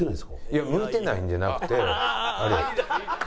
いや向いてないんじゃなくてあれよ。